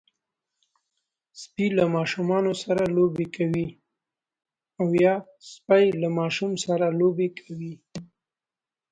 سپي له ماشومانو سره لوبې کوي.